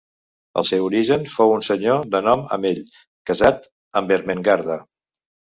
El seu origen fou un senyor de nom Amell, casat amb Ermengarda.